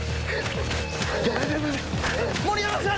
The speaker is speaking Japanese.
盛山さん。